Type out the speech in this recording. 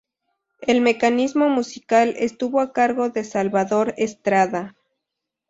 El mecanismo musical estuvo a cargo de Salvador Estrada.